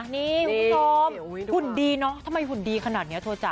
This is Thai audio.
นี่คุณผู้ชมหุ่นดีเนอะทำไมหุ่นดีขนาดนี้โทรจ้